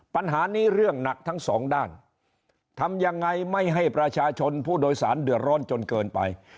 ปัญหานี้เรื่องหนักทั้งสองด้านทำยังไงไม่ให้ประชาชนผู้โดยสารเดือดร้อนจนเกินไป